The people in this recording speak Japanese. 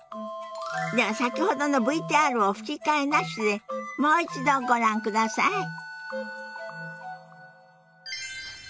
では先ほどのＶＴＲを吹き替えなしでもう一度ご覧ください。